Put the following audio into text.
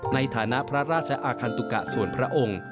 ในฐานะพระราชอาคันตุกะส่วนพระองค์